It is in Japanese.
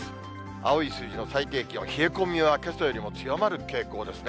青い数字の最低気温、冷え込みはけさよりも強まる傾向ですね。